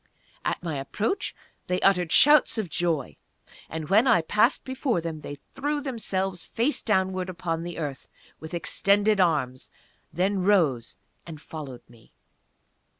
At my approach they uttered shouts of joy; and when I passed before them they threw themselves, face downward, upon the earth, with extended arms, then rose and followed me.